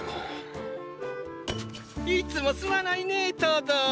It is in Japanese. いつもすまないねェトド。